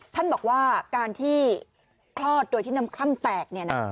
ท่านบอกว่าการที่คลอดโดยที่น้ำคล่ำแตก